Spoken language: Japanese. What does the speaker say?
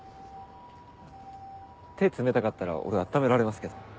手冷たかったら俺温められますけど。